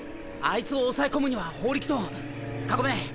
あいつを抑え込むには法力とかごめ！